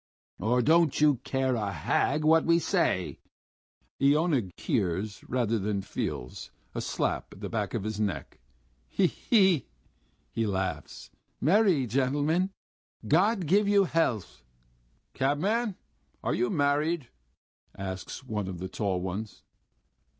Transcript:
Or don't you care a hang what we say?" And Iona hears rather than feels a slap on the back of his neck. "He he!..." he laughs. "Merry gentlemen.... God give you health!" "Cabman, are you married?" asks one of the tall ones.